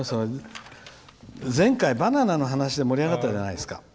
前回バナナの話で盛り上がったじゃないですか。